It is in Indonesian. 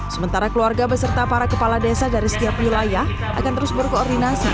sementara keluarga beserta para kepala desa dari setiap wilayah akan terus berkoordinasi